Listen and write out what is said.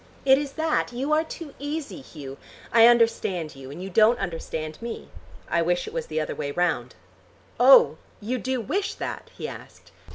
It is that. You are too easy, Hugh. I understand you, and you don't understand me. I wish it was the other way round." "Oh, you do wish that?" he asked.